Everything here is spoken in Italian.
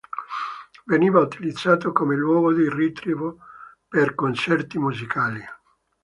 Veniva utilizzato come luogo di ritrovo per concerti musicali.